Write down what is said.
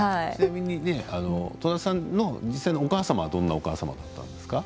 戸田さんの実際のお母様はどんなお母様だったんですか？